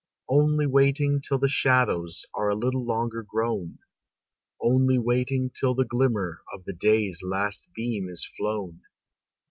Only waiting till the shadows Are a little longer grown, Only waiting till the glimmer Of the day's last beam is flown.